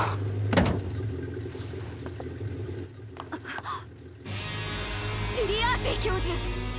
あっシリアーティ教授！